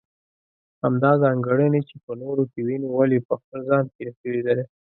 همدا ځانګړنې چې په نورو کې وينو ولې په خپل ځان کې نشو ليدلی.